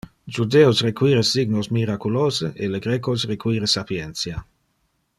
Judeos require signos miraculose e le grecos require sapientia.